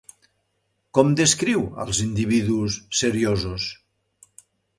Com descriu als individus seriosos?